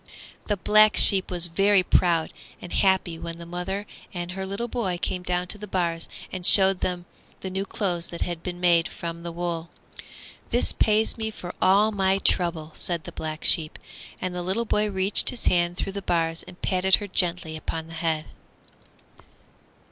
The Black Sheep was very proud and happy when the mother and her little boy came down to the bars and showed the new clothes that had been made from the wool. "This pays me for all my trouble," said the Black Sheep, and the little boy reached his hand through the bars and patted her gently upon the head.